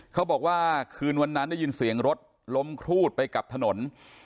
เขาบอกว่าคืนวันนั้นได้ยินเสียงรถล้มครูดไปกับถนน